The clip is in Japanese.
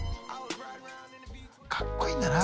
かっこいいんだな。